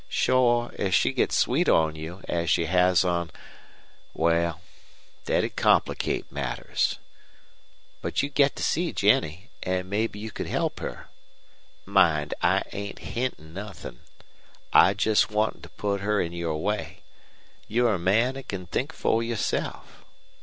Shore, if she gets sweet on you, as she has on Wal, thet 'd complicate matters. But you'd get to see Jennie, an' mebbe you could help her. Mind, I ain't hintin' nothin'. I'm just wantin' to put her in your way. You're a man an' can think fer yourself.